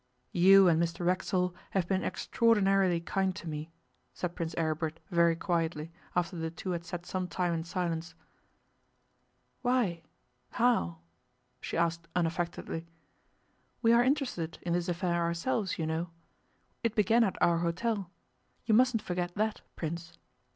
'You and Mr Racksole have been extraordinarily kind to me,' said Prince Aribert very quietly, after the two had sat some time in silence. 'Why? How?' she asked unaffectedly. 'We are interested in this affair ourselves, you know. It began at our hotel you mustn't forget that, Prince.